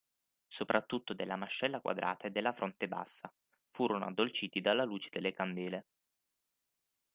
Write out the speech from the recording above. Soprattutto della mascella quadrata e della fronte bassa – furono addolciti dalla luce delle candele.